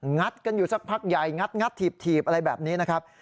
ัดกันอยู่สักพักใหญ่งัดถีบอะไรแบบนี้นะครับ